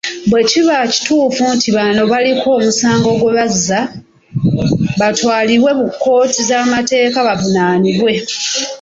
Bwe kiba kituufu nti bano baliko omusango gwe bazza, batwalibwe mu kkooti z'amateeka bavunaanibwe.